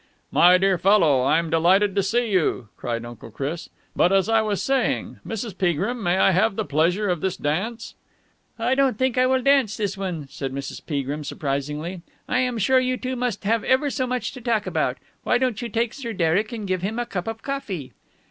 "My dear fellow, I'm delighted to see you," cried Uncle Chris. "But, as I was saying, Mrs. Peagrim, may I have the pleasure of this dance?" "I don't think I will dance this one," said Mrs. Peagrim surprisingly. "I'm sure you two must have ever so much to talk about. Why don't you take Sir Derek and give him a cup of coffee?"